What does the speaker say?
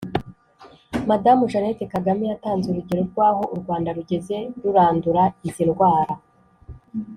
Madamu Jeannette Kagame yatanze urugero rw’aho u Rwanda rugeze rurandura izi ndwara